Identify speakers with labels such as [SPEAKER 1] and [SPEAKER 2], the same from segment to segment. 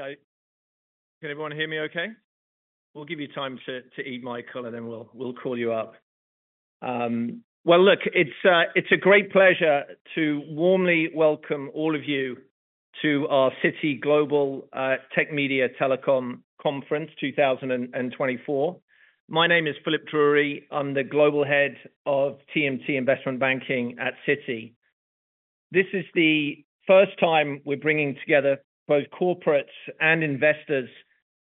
[SPEAKER 1] Okay, can everyone hear me okay? We'll give you time to eat, Michael, and then we'll call you up. It's a great pleasure to warmly welcome all of you to our Citi Global Tech Media Telecom Conference 2024. My name is Philip Drury. I'm the global head of TMT Investment Banking at Citi. This is the first time we're bringing together both corporates and investors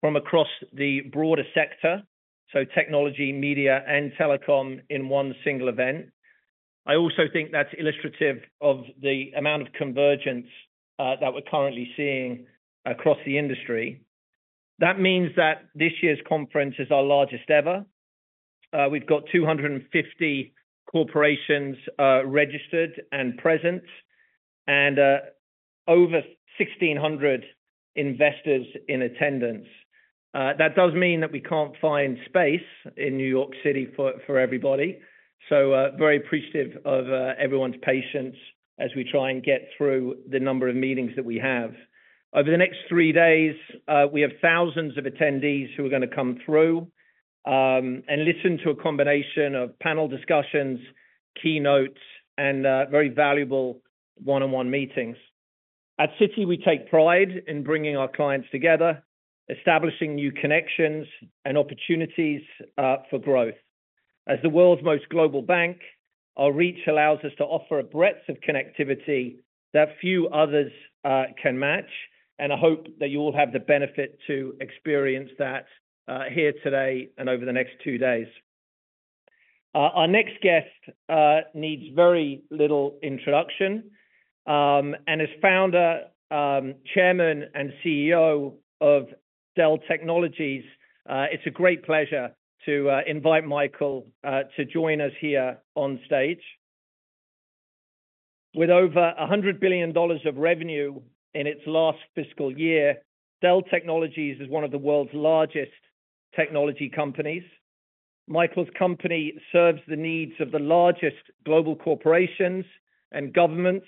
[SPEAKER 1] from across the broader sector, so technology, media, and telecom in one single event. I also think that's illustrative of the amount of convergence that we're currently seeing across the industry. That means that this year's conference is our largest ever. We've got 250 corporations registered and present, and over 1,600 investors in attendance. That does mean that we can't find space in New York City for everybody, so very appreciative of everyone's patience as we try and get through the number of meetings that we have. Over the next three days, we have thousands of attendees who are gonna come through and listen to a combination of panel discussions, keynotes, and very valuable one-on-one meetings. At Citi, we take pride in bringing our clients together, establishing new connections and opportunities for growth. As the world's most global bank, our reach allows us to offer a breadth of connectivity that few others can match, and I hope that you all have the benefit to experience that here today and over the next two days. Our next guest needs very little introduction, and as Founder, Chairman, and CEO of Dell Technologies, it's a great pleasure to invite Michael to join us here on stage. With over $100 billion of revenue in its last fiscal year, Dell Technologies is one of the world's largest technology companies. Michael's company serves the needs of the largest global corporations and governments,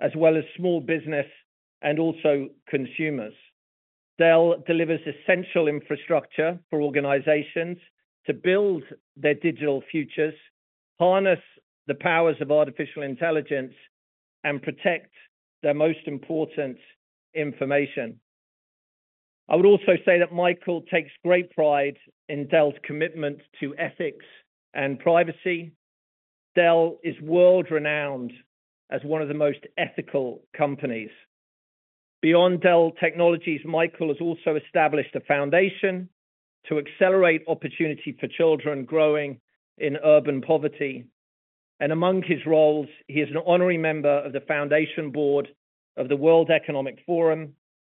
[SPEAKER 1] as well as small business and also consumers. Dell delivers essential infrastructure for organizations to build their digital futures, harness the powers of artificial intelligence, and protect their most important information. I would also say that Michael takes great pride in Dell's commitment to ethics and privacy. Dell is world-renowned as one of the most ethical companies. Beyond Dell Technologies, Michael has also established a foundation to accelerate opportunity for children growing in urban poverty. And among his roles, he is an honorary member of the Foundation Board of the World Economic Forum,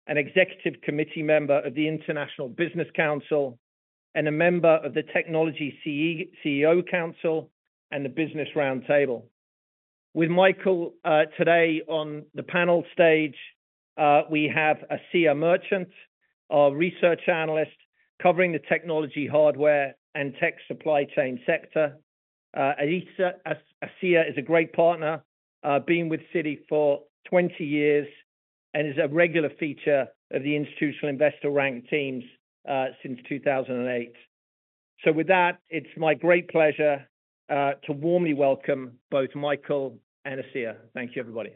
[SPEAKER 1] an executive committee member of the International Business Council, and a member of the Technology CEO Council and the Business Roundtable. With Michael today on the panel stage, we have Asiya Merchant, our research analyst, covering the technology, hardware, and tech supply chain sector. Asiya is a great partner, been with Citi for twenty years and is a regular feature of the Institutional Investor-ranked teams, since two thousand and eight. So with that, it's my great pleasure to warmly welcome both Michael and Asiya. Thank you, everybody.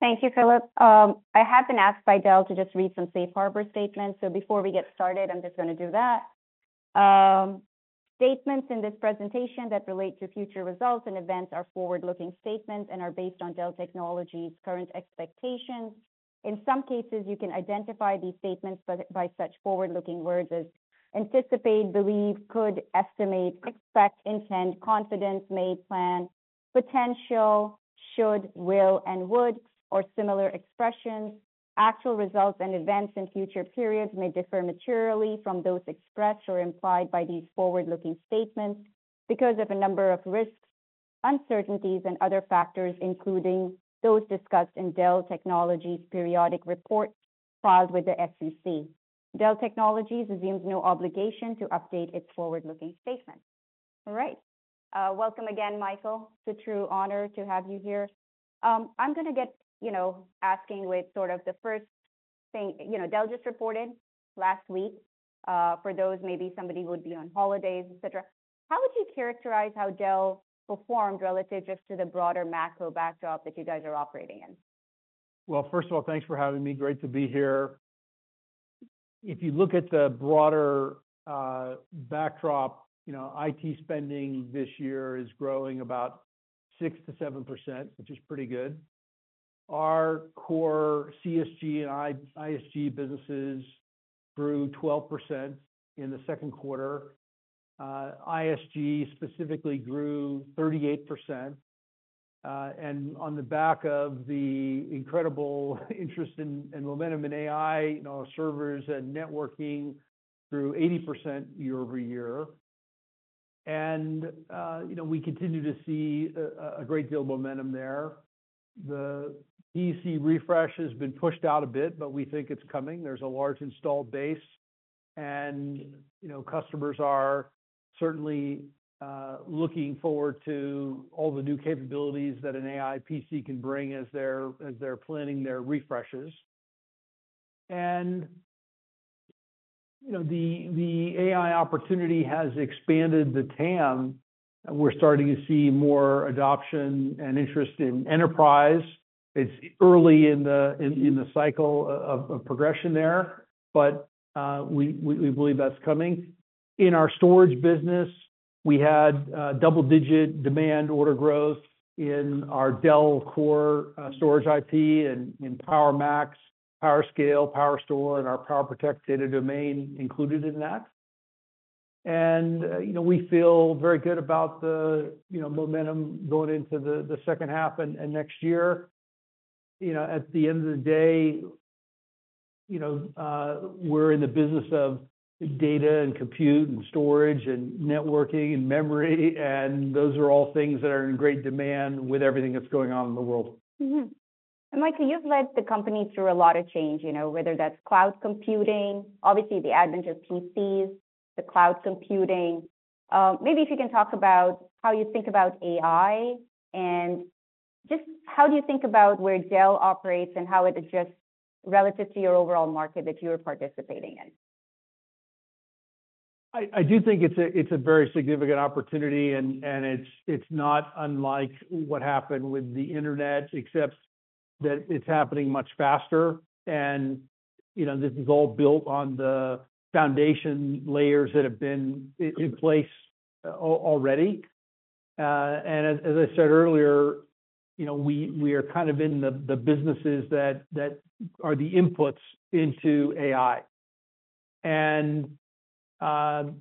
[SPEAKER 2] Thank you, Philip. I have been asked by Dell to just read some Safe Harbor statements. So before we get started, I'm just gonna do that. Statements in this presentation that relate to future results and events are forward-looking statements and are based on Dell Technologies' current expectations. In some cases, you can identify these statements by such forward-looking words as anticipate, believe, could, estimate, expect, intend, confidence, may, plan, potential, should, will, and would, or similar expressions. Actual results and events in future periods may differ materially from those expressed or implied by these forward-looking statements because of a number of risks, uncertainties, and other factors, including those discussed in Dell Technologies' periodic reports filed with the SEC. Dell Technologies assumes no obligation to update its forward-looking statements. All right. Welcome again, Michael. It's a true honor to have you here. You know, Dell just reported last week for those, maybe somebody would be on holidays, et cetera. How would you characterize how Dell performed relative just to the broader macro backdrop that you guys are operating in?
[SPEAKER 3] First of all, thanks for having me. Great to be here. If you look at the broader backdrop, you know, IT spending this year is growing about 6%-7%, which is pretty good. Our core CSG and ISG businesses grew 12% in the second quarter. ISG specifically grew 38%, and on the back of the incredible interest and momentum in AI, you know, servers and networking grew 80% year-over-year. We continue to see a great deal of momentum there. The PC refresh has been pushed out a bit, but we think it's coming. There's a large installed base, and, you know, customers are certainly looking forward to all the new capabilities that an AI PC can bring as they're planning their refreshes. You know, the AI opportunity has expanded the TAM, and we're starting to see more adoption and interest in enterprise. It's early in the cycle of progression there, but we believe that's coming. In our storage business, we had double-digit demand order growth in our Dell core storage IP and in PowerMax, PowerScale, PowerStore, and our PowerProtect Data Domain included in that. You know, we feel very good about the momentum going into the second half and next year. You know, at the end of the day, you know, we're in the business of data and compute and storage and networking and memory, and those are all things that are in great demand with everything that's going on in the world.
[SPEAKER 2] And Michael, you've led the company through a lot of change, you know, whether that's cloud computing, obviously the advent of PCs, the cloud computing. Maybe if you can talk about how you think about AI, and just how do you think about where Dell operates and how it adjusts relative to your overall market that you are participating in?
[SPEAKER 3] I do think it's a very significant opportunity, and it's not unlike what happened with the internet, except that it's happening much faster. And you know, this is all built on the foundation layers that have been in place already. And as I said earlier, you know, we are kind of in the businesses that are the inputs into AI. And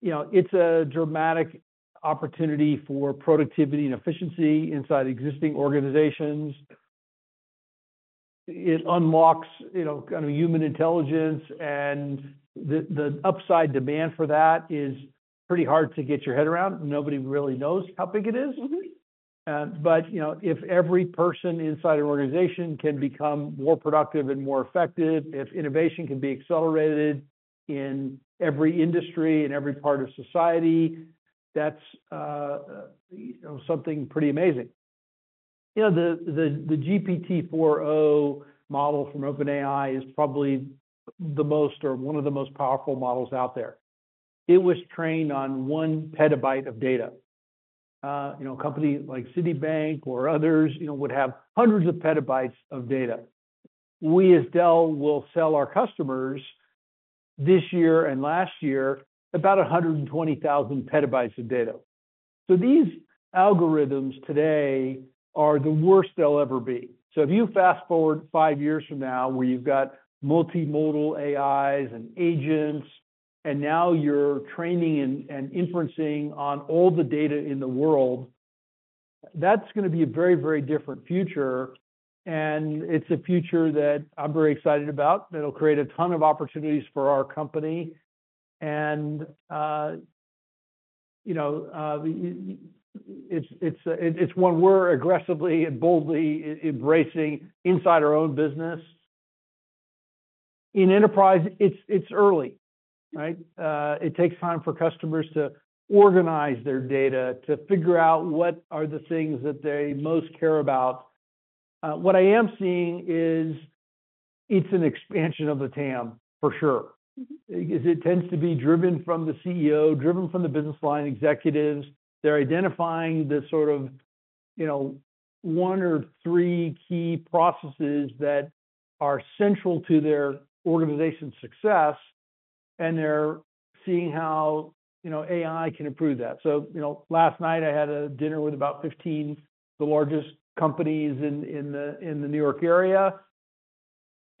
[SPEAKER 3] you know, it's a dramatic opportunity for productivity and efficiency inside existing organizations. It unlocks you know, kind of human intelligence, and the upside demand for that is pretty hard to get your head around. Nobody really knows how big it is. but, you know, if every person inside an organization can become more productive and more effective, if innovation can be accelerated in every industry, in every part of society, that's, you know, something pretty amazing. You know, the GPT-4o model from OpenAI is probably the most or one of the most powerful models out there. It was trained on one petabyte of data. You know, a company like Citibank or others, you know, would have hundreds of petabytes of data. We, as Dell, will sell our customers this year and last year, about 120,000 petabytes of data. So these algorithms today are the worst they'll ever be. So if you fast-forward five years from now, where you've got multimodal AIs and agents, and now you're training and inferencing on all the data in the world, that's gonna be a very, very different future, and it's a future that I'm very excited about, that'll create a ton of opportunities for our company. And you know, it's one we're aggressively and boldly embracing inside our own business. In enterprise, it's early, right? It takes time for customers to organize their data, to figure out what are the things that they most care about. What I am seeing is it's an expansion of the TAM, for sure. It tends to be driven from the CEO, driven from the business line executives. They're identifying the sort of, you know, one or three key processes that are central to their organization's success, and they're seeing how, you know, AI can improve that. So, you know, last night I had a dinner with about fifteen of the largest companies in the New York area,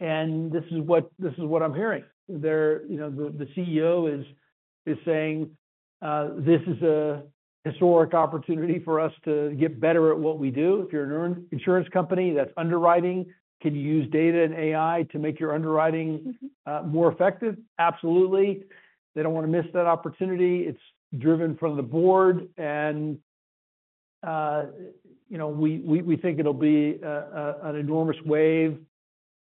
[SPEAKER 3] and this is what I'm hearing. They're you know, the CEO is saying, "This is a historic opportunity for us to get better at what we do." If you're an insurance company that's underwriting, can you use data and AI to make your underwriting more effective? Absolutely. They don't wanna miss that opportunity. It's driven from the board, and, you know, we think it'll be an enormous wave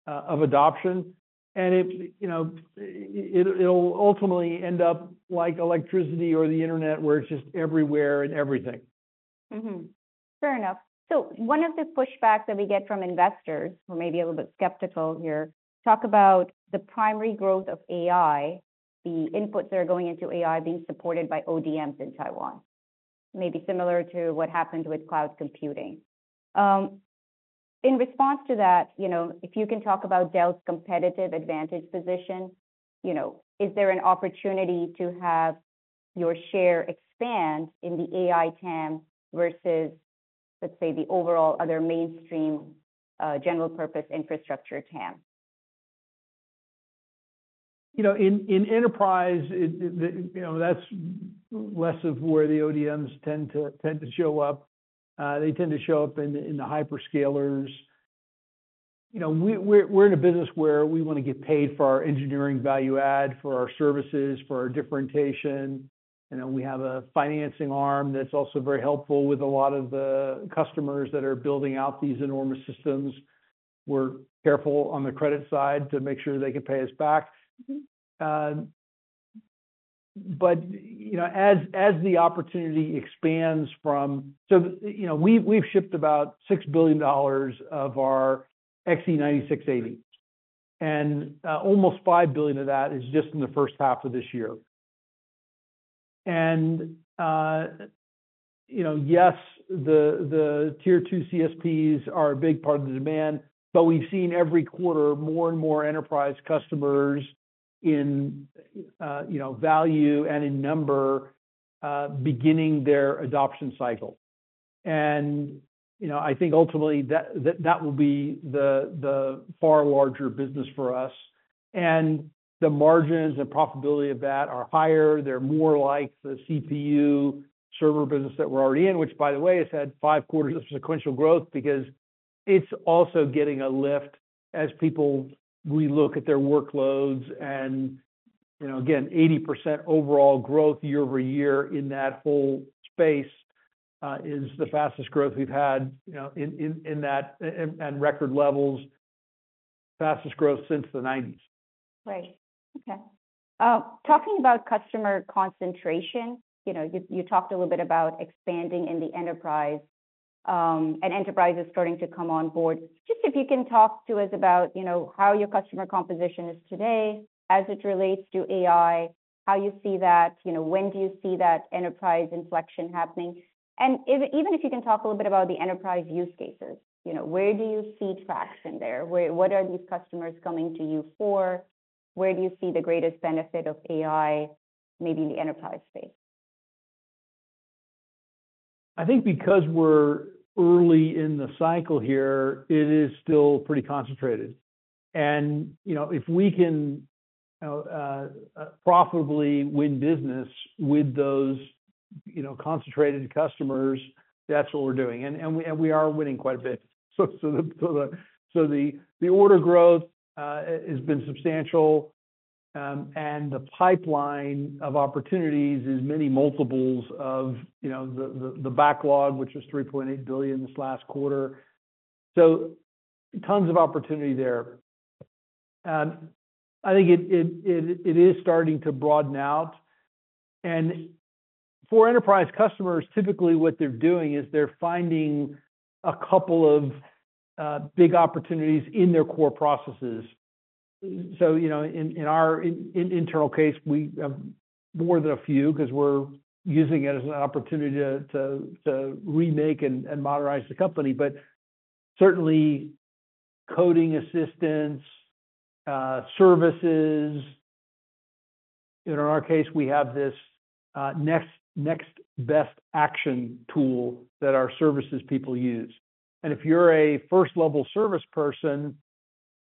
[SPEAKER 3] of adoption. And it, you know, it'll ultimately end up like electricity or the internet, where it's just everywhere and everything.
[SPEAKER 2] Fair enough. So one of the pushbacks that we get from investors, who may be a little bit skeptical here, talk about the primary growth of AI, the inputs that are going into AI being supported by ODMs in Taiwan, maybe similar to what happened with cloud computing. In response to that, you know, if you can talk about Dell's competitive advantage position, you know, is there an opportunity to have your share expand in the AI TAM versus, let's say, the overall other mainstream, general-purpose infrastructure TAM?
[SPEAKER 3] You know, in enterprise, that's less of where the ODMs tend to show up. They tend to show up in the hyperscalers. You know, we're in a business where we want to get paid for our engineering value add, for our services, for our differentiation, and then we have a financing arm that's also very helpful with a lot of the customers that are building out these enormous systems. We're careful on the credit side to make sure they can pay us back. But, you know, as the opportunity expands from, so, you know, we've shipped about $6 billion of our XE9680, and almost $5 billion of that is just in the first half of this year. And, you know, yes, the tier two CSPs are a big part of the demand, but we've seen every quarter more and more enterprise customers in, you know, value and in number, beginning their adoption cycle. And, you know, I think ultimately that will be the far larger business for us. And the margins and profitability of that are higher, they're more like the CPU server business that we're already in, which, by the way, has had five quarters of sequential growth because it's also getting a lift as people relook at their workloads. And, you know, again, 80% overall growth year-over-year in that whole space is the fastest growth we've had, you know, in that and record levels, fastest growth since the nineties.
[SPEAKER 2] Right. Okay. Talking about customer concentration, you know, you talked a little bit about expanding in the enterprise, and enterprise is starting to come on board. Just if you can talk to us about, you know, how your customer composition is today as it relates to AI, how you see that, you know, when do you see that enterprise inflection happening? And even if you can talk a little bit about the enterprise use cases, you know, where do you see traction there? What are these customers coming to you for? Where do you see the greatest benefit of AI, maybe in the enterprise space?
[SPEAKER 3] I think because we're early in the cycle here, it is still pretty concentrated. And, you know, if we can profitably win business with those, you know, concentrated customers, that's what we're doing, and we are winning quite a bit. So the order growth has been substantial, and the pipeline of opportunities is many multiples of, you know, the backlog, which was $3.8 billion this last quarter. So tons of opportunity there. I think it is starting to broaden out. And for enterprise customers, typically what they're doing is they're finding a couple of big opportunities in their core processes. So, you know, in our internal case, we more than a few because we're using it as an opportunity to remake and modernize the company. But certainly, coding assistance, services. In our case, we have this next best action tool that our services people use. And if you're a first-level service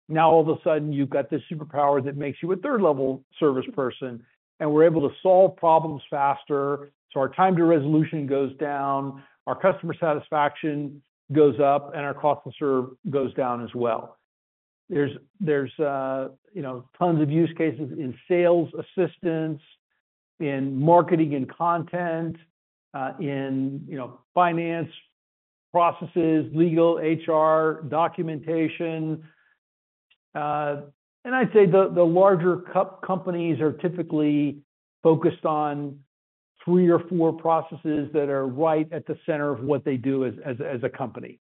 [SPEAKER 3] person, now all of a sudden, you've got this superpower that makes you a third-level service person, and we're able to solve problems faster, so our time to resolution goes down, our customer satisfaction goes up, and our cost to serve goes down as well. There's, you know, tons of use cases in sales assistance, in marketing and content, in, you know, finance processes, legal, HR, documentation. And I'd say the larger companies are typically focused on three or four processes that are right at the center of what they do as a company.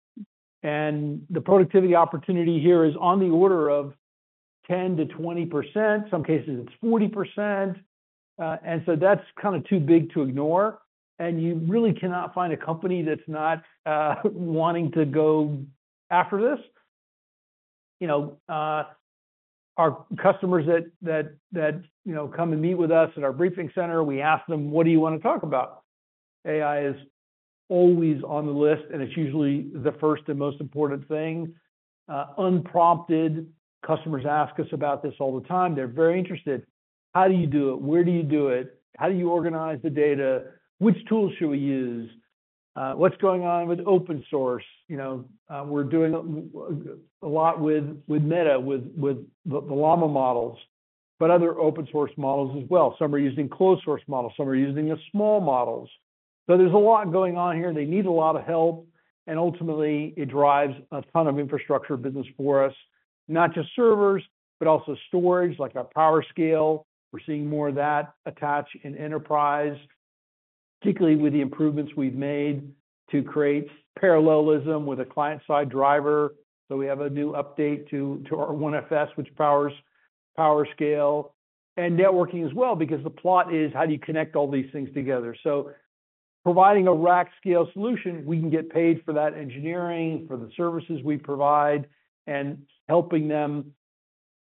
[SPEAKER 3] And the productivity opportunity here is on the order of 10-20%, some cases it's 40%, and so that's kind of too big to ignore, and you really cannot find a company that's not wanting to go after this. You know, our customers that come and meet with us at our briefing center, we ask them: "What do you want to talk about?" AI is always on the list, and it's usually the first and most important thing. Unprompted, customers ask us about this all the time. They're very interested. How do you do it? Where do you do it? How do you organize the data? Which tools should we use? What's going on with open source? You know, we're doing a lot with Meta, with the Llama models, but other open source models as well. Some are using closed source models, some are using the small models. So there's a lot going on here, and they need a lot of help, and ultimately, it drives a ton of infrastructure business for us. Not just servers, but also storage, like our PowerScale. We're seeing more of that attach in enterprise, particularly with the improvements we've made to create parallelism with a client-side driver. So we have a new update to our OneFS, which powers PowerScale and networking as well, because the plot is, how do you connect all these things together? So providing a rack scale solution, we can get paid for that engineering, for the services we provide, and helping them,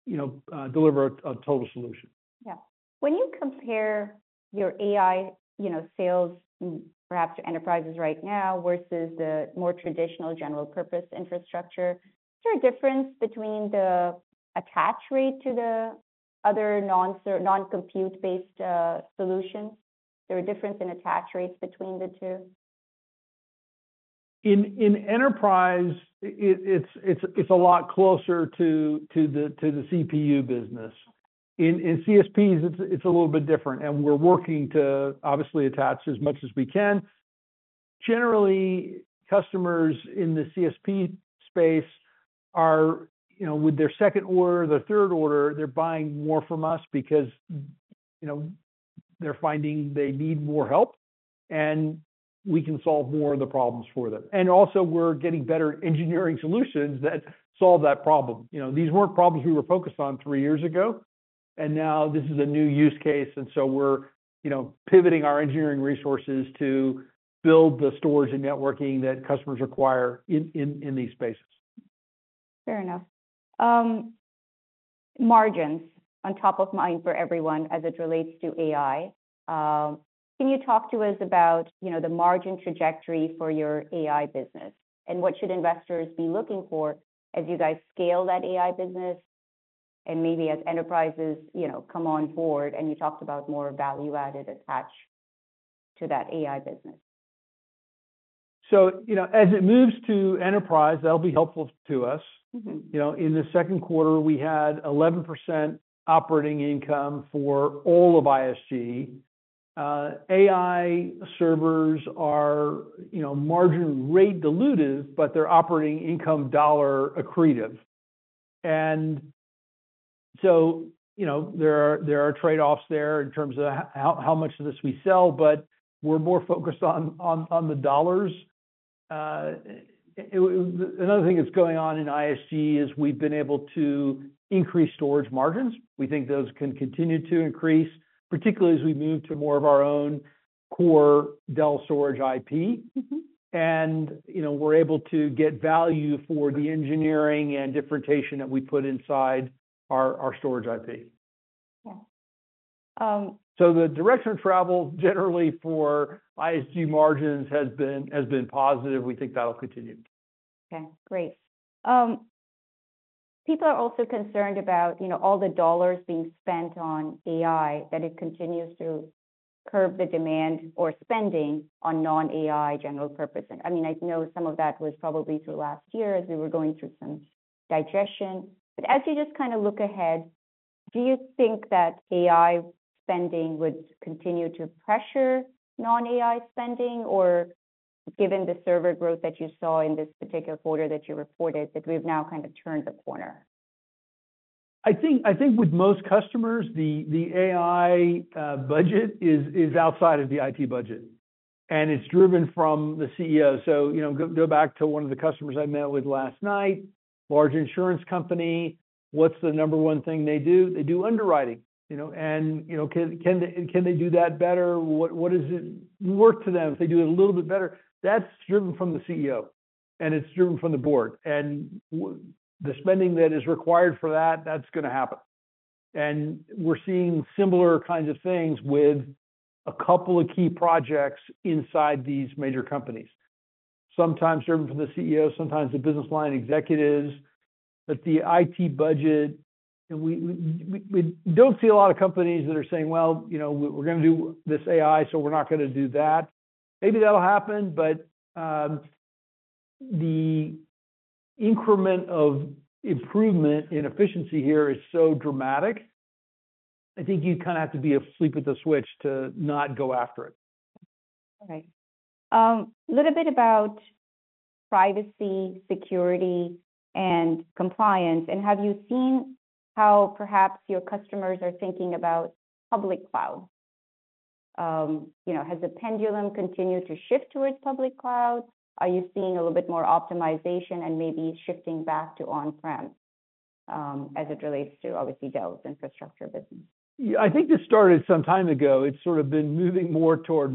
[SPEAKER 3] you know, deliver a total solution.
[SPEAKER 2] Yeah. When you compare your AI, you know, sales, perhaps to enterprises right now versus the more traditional general purpose infrastructure, is there a difference between the attach rate to the other non-compute-based solutions? Is there a difference in attach rates between the two?...
[SPEAKER 3] In enterprise, it's a lot closer to the CPU business. In CSPs, it's a little bit different, and we're working to obviously attach as much as we can. Generally, customers in the CSP space are, you know, with their second order, their third order, they're buying more from us because, you know, they're finding they need more help, and we can solve more of the problems for them, and also we're getting better engineering solutions that solve that problem. You know, these weren't problems we were focused on three years ago, and now this is a new use case, and so we're, you know, pivoting our engineering resources to build the storage and networking that customers require in these spaces.
[SPEAKER 2] Fair enough. Margins top of mind for everyone as it relates to AI. Can you talk to us about, you know, the margin trajectory for your AI business, and what should investors be looking for as you guys scale that AI business and maybe as enterprises, you know, come on board, and you talked about more value-added attach to that AI business?
[SPEAKER 3] So, you know, as it moves to enterprise, that'll be helpful to us. You know, in the second quarter, we had 11% operating income for all of ISG. AI servers are, you know, margin rate dilutive, but they're operating income dollar accretive. And so, you know, there are trade-offs there in terms of how much of this we sell, but we're more focused on the dollars. Another thing that's going on in ISG is we've been able to increase storage margins. We think those can continue to increase, particularly as we move to more of our own core Dell Storage IP. You know, we're able to get value for the engineering and differentiation that we put inside our, our storage IP.
[SPEAKER 2] Yeah.
[SPEAKER 3] The direction of travel generally for ISG margins has been positive. We think that'll continue.
[SPEAKER 2] Okay, great. People are also concerned about, you know, all the dollars being spent on AI, that it continues to curb the demand or spending on non-AI general purpose. I mean, I know some of that was probably through last year as we were going through some digestion. But as you just kind of look ahead, do you think that AI spending would continue to pressure non-AI spending? Or given the server growth that you saw in this particular quarter that you reported, that we've now kind of turned the corner?
[SPEAKER 3] I think with most customers, the AI budget is outside of the IT budget, and it's driven from the CEO, so you know, go back to one of the customers I met with last night, large insurance company. What's the number one thing they do? They do underwriting, you know, and can they do that better? What is it worth to them if they do it a little bit better? That's driven from the CEO, and it's driven from the board, and the spending that is required for that, that's going to happen, and we're seeing similar kinds of things with a couple of key projects inside these major companies, sometimes driven from the CEO, sometimes the business line executives. But the IT budget, and we don't see a lot of companies that are saying, "Well, you know, we're going to do this AI, so we're not going to do that." Maybe that'll happen, but the increment of improvement in efficiency here is so dramatic. I think you'd kind of have to be asleep at the switch to not go after it.
[SPEAKER 2] Okay. A little bit about privacy, security, and compliance, and have you seen how perhaps your customers are thinking about public cloud? You know, has the pendulum continued to shift towards public cloud? Are you seeing a little bit more optimization and maybe shifting back to on-prem, as it relates to, obviously, Dell's infrastructure business?
[SPEAKER 3] Yeah, I think this started some time ago. It's sort of been moving more toward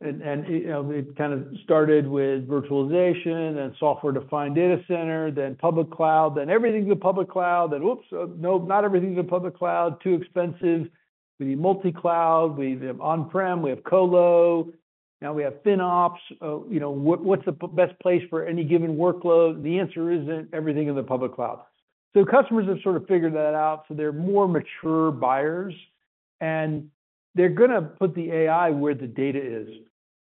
[SPEAKER 3] multi-cloud, and you know, it kind of started with virtualization and software-defined data center, then public cloud, then everything to public cloud, then oops, no, not everything to public cloud, too expensive. We need multi-cloud, we have on-prem, we have colo, now we have FinOps. You know, what's the best place for any given workload? The answer isn't everything in the public cloud. So customers have sort of figured that out, so they're more mature buyers, and they're going to put the AI where the data is.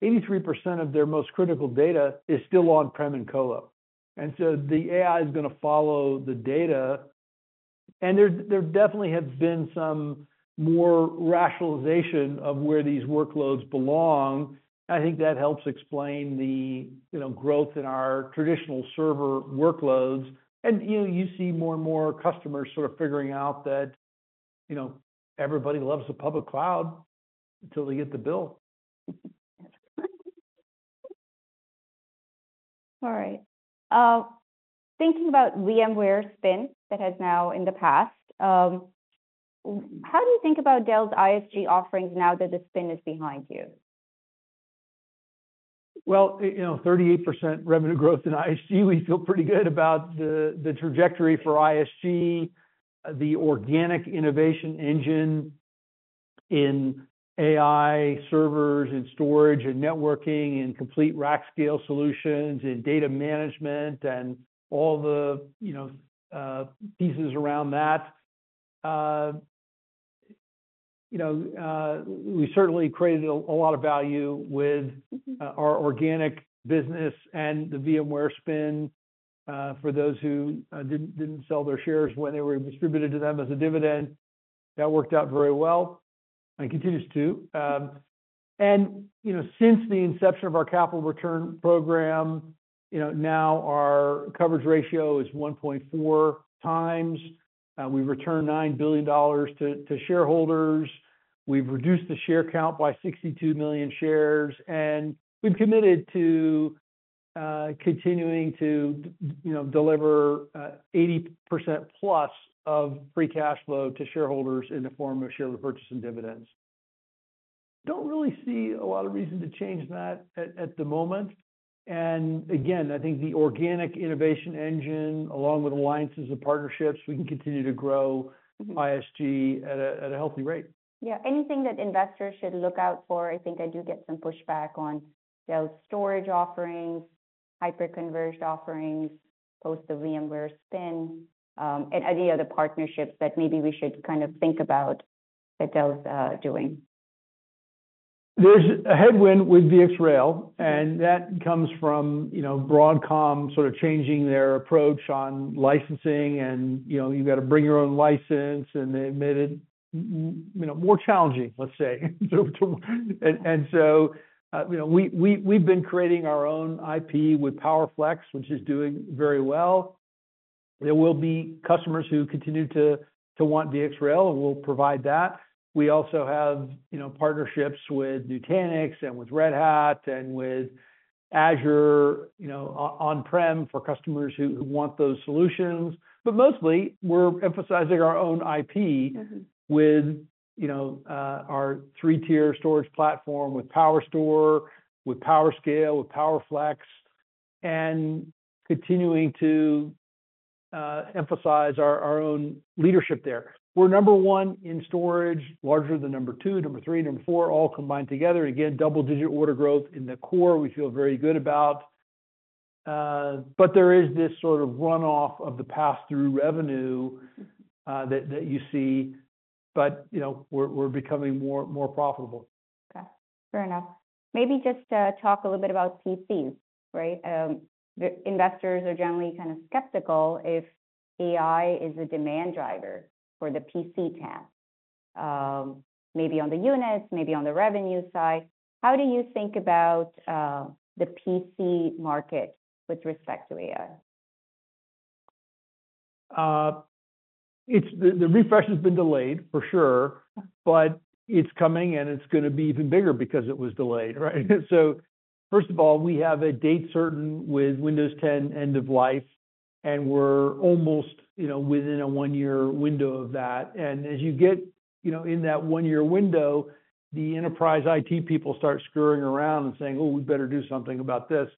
[SPEAKER 3] 83% of their most critical data is still on-prem and colo, and so the AI is going to follow the data. And there definitely have been some more rationalization of where these workloads belong. I think that helps explain the, you know, growth in our traditional server workloads, and, you know, you see more and more customers sort of figuring out that, you know, everybody loves the public cloud until they get the bill.
[SPEAKER 2] All right. Thinking about VMware spin that has now in the past, how do you think about Dell's ISG offerings now that the spin is behind you?
[SPEAKER 3] Well, you know, 38% revenue growth in ISG. We feel pretty good about the trajectory for ISG, the organic innovation engine in AI servers and storage and networking, and complete rack scale solutions, and data management, and all the, you know, pieces around that. You know, we certainly created a lot of value with our organic business and the VMware spin, for those who didn't sell their shares when they were distributed to them as a dividend. That worked out very well, and continues to. And, you know, since the inception of our capital return program, you know, now our coverage ratio is one point four times. We've returned $9 billion to shareholders. We've reduced the share count by sixty-two million shares, and we've committed to continuing to, you know, deliver 80% plus of free cash flow to shareholders in the form of share repurchase and dividends. Don't really see a lot of reason to change that at the moment, and again, I think the organic innovation engine, along with alliances and partnerships, we can continue to grow ISG at a healthy rate.
[SPEAKER 2] Yeah. Anything that investors should look out for? I think I do get some pushback on Dell's storage offerings, hyper-converged offerings, post the VMware spin, any other partnerships that maybe we should kind of think about that Dell's doing.
[SPEAKER 3] There's a headwind with VxRail, and that comes from, you know, Broadcom sort of changing their approach on licensing and, you know, you've got to bring your own license, and they made it you know, more challenging, let's say, and so, you know, we've been creating our own IP with PowerFlex, which is doing very well. There will be customers who continue to want VxRail, and we'll provide that. We also have, you know, partnerships with Nutanix and with Red Hat and with Azure, you know, on-prem for customers who want those solutions, but mostly, we're emphasizing our own IP- with, you know, our three-tier storage platform with PowerStore, with PowerScale, with PowerFlex, and continuing to emphasize our own leadership there. We're number one in storage, larger than number two, number three, number four, all combined together. Again, double-digit order growth in the core we feel very good about. But there is this sort of runoff of the pass-through revenue that you see, but, you know, we're becoming more profitable.
[SPEAKER 2] Okay. Fair enough. Maybe just talk a little bit about PCs, right? The investors are generally kind of skeptical if AI is a demand driver for the PC space, maybe on the units, maybe on the revenue side. How do you think about the PC market with respect to AI?
[SPEAKER 3] It's the refresh has been delayed, for sure, but it's coming and it's gonna be even bigger because it was delayed, right? So first of all, we have a date certain with Windows 10 end of life, and we're almost, you know, within a one-year window of that. As you get, you know, in that one-year window, the enterprise IT people start scurrying around and saying: "Oh, we better do something about this."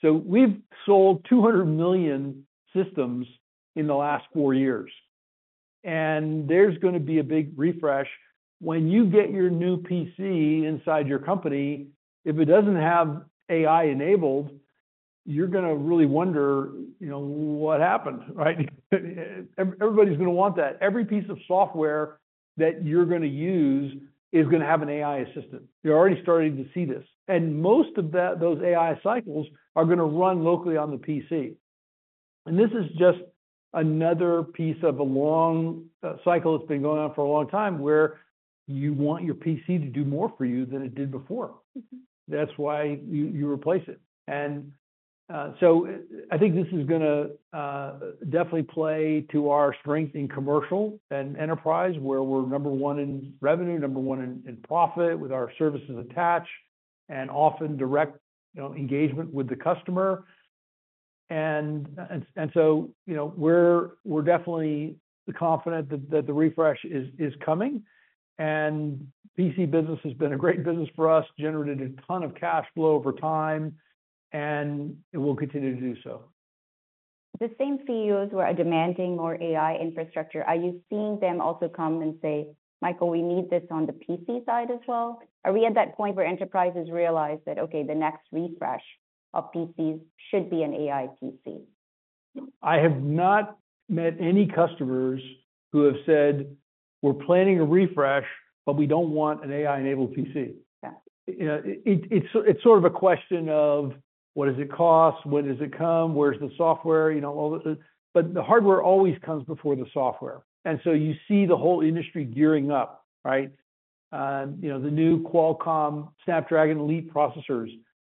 [SPEAKER 3] So we've sold 200 million systems in the last four years, and there's gonna be a big refresh. When you get your new PC inside your company, if it doesn't have AI enabled, you're gonna really wonder, you know, what happened, right? Everybody's gonna want that. Every piece of software that you're gonna use is gonna have an AI assistant. You're already starting to see this, and most of those AI cycles are gonna run locally on the PC. And this is just another piece of a long cycle that's been going on for a long time, where you want your PC to do more for you than it did before. That's why you replace it, and so I think this is gonna definitely play to our strength in commercial and enterprise, where we're number one in revenue, number one in profit, with our services attached, and often direct, you know, engagement with the customer, and so you know, we're definitely confident that the refresh is coming, and PC business has been a great business for us, generated a ton of cash flow over time, and it will continue to do so.
[SPEAKER 2] The same CEOs who are demanding more AI infrastructure, are you seeing them also come and say, "Michael, we need this on the PC side as well?" Are we at that point where enterprises realize that, okay, the next refresh of PCs should be an AI PC?
[SPEAKER 3] I have not met any customers who have said: "We're planning a refresh, but we don't want an AI-enabled PC.
[SPEAKER 2] Yeah.
[SPEAKER 3] You know, it's sort of a question of what does it cost? When does it come? Where's the software? You know, all the... But the hardware always comes before the software, and so you see the whole industry gearing up, right? You know, the new Qualcomm Snapdragon Elite processors.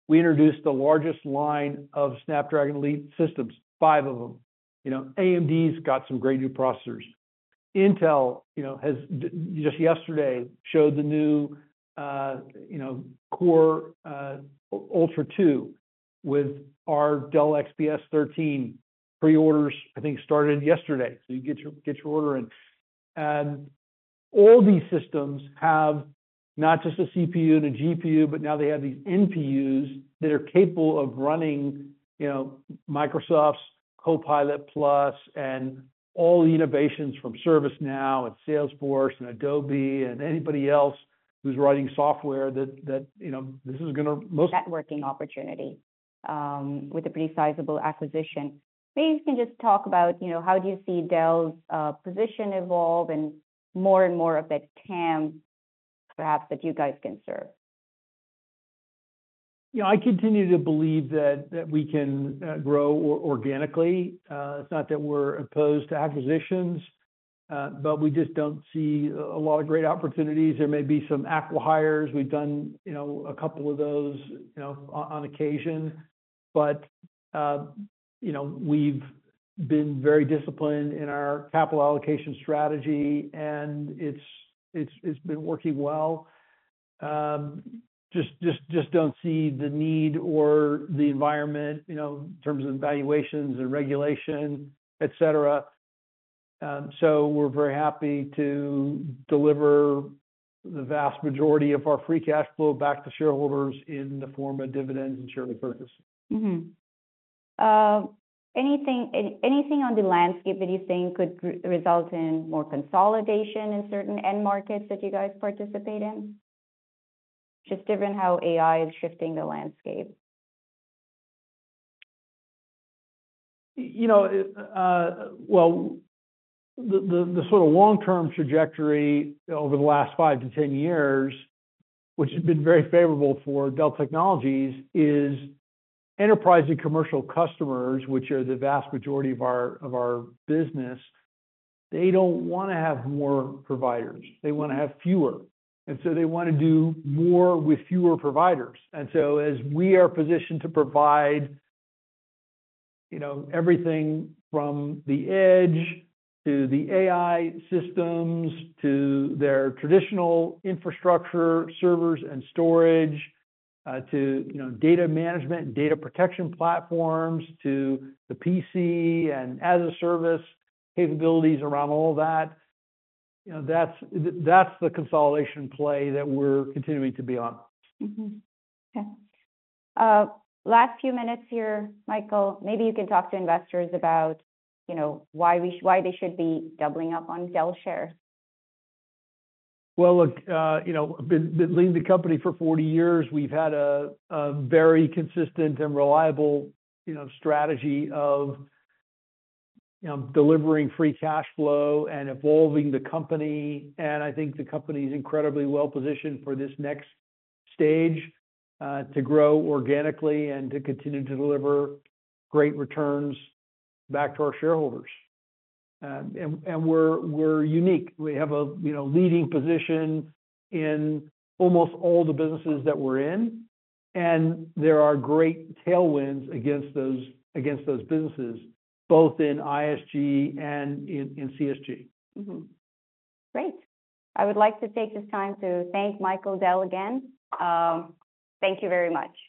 [SPEAKER 3] We introduced the largest line of Snapdragon Elite systems, five of them. You know, AMD's got some great new processors. Intel, you know, has just yesterday showed the new, you know, Core Ultra 2 with our Dell XPS 13. Pre-orders, I think, started yesterday, so you get your order in. All these systems have not just a CPU and a GPU, but now they have these NPUs that are capable of running, you know, Microsoft's Copilot+ and all the innovations from ServiceNow and Salesforce and Adobe and anybody else who's writing software that you know, this is gonna most-
[SPEAKER 2] Networking opportunity... with a pretty sizable acquisition. Maybe you can just talk about, you know, how do you see Dell's position evolve and more and more of that TAM, perhaps, that you guys can serve?
[SPEAKER 3] Yeah, I continue to believe that we can grow organically. It's not that we're opposed to acquisitions, but we just don't see a lot of great opportunities. There may be some acqui-hires. We've done, you know, a couple of those, you know, on occasion, but, you know, we've been very disciplined in our capital allocation strategy, and it's been working well. Just don't see the need or the environment, you know, in terms of valuations and regulation, et cetera. So we're very happy to deliver the vast majority of our free cash flow back to shareholders in the form of dividends and share repurchase.
[SPEAKER 2] Anything on the landscape that you think could result in more consolidation in certain end markets that you guys participate in? Just given how AI is shifting the landscape.
[SPEAKER 3] You know, well, the sort of long-term trajectory over the last five to ten years, which has been very favorable for Dell Technologies, is enterprise and commercial customers, which are the vast majority of our business. They don't wanna have more providers. They wanna have fewer, and so they wanna do more with fewer providers. And so as we are positioned to provide, you know, everything from the edge to the AI systems to their traditional infrastructure, servers and storage, to, you know, data management and data protection platforms to the PC and as-a-service capabilities around all of that, you know, that's the consolidation play that we're continuing to be on.
[SPEAKER 2] Okay. Last few minutes here, Michael, maybe you can talk to investors about, you know, why they should be doubling up on Dell shares.
[SPEAKER 3] Well, look, you know, I've been leading the company for forty years. We've had a very consistent and reliable, you know, strategy of, you know, delivering free cash flow and evolving the company, and I think the company is incredibly well positioned for this next stage, to grow organically and to continue to deliver great returns back to our shareholders. And we're unique. We have a, you know, leading position in almost all the businesses that we're in, and there are great tailwinds against those businesses, both in ISG and in CSG.
[SPEAKER 2] Great. I would like to take this time to thank Michael Dell again. Thank you very much.